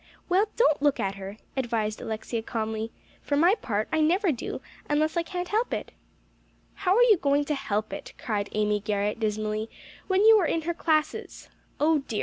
"Well, don't look at her," advised Alexia calmly; "for my part, I never do, unless I can't help it." "How are you going to help it," cried Amy Garrett dismally, "when you are in her classes? Oh dear!